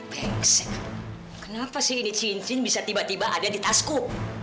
kenapa sih ini cincin bisa tiba tiba ada di tasku